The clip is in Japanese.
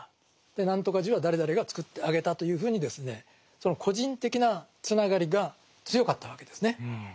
何とか寺は誰々がつくってあげたというふうにですねその個人的なつながりが強かったわけですね。